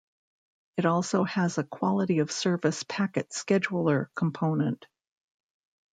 It also has a Quality of Service Packet Scheduler component.